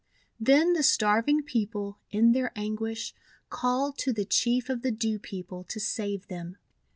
Then the starving people, in their anguish, called to the Chief of the Dew People to save them.